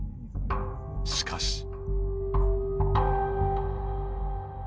しかし。